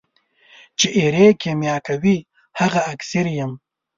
چي ایرې کېمیا کوي هغه اکسیر یم.